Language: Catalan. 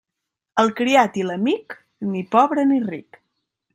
El criat i l'amic, ni pobre ni ric.